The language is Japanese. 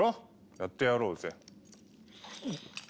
やってやろうぜ。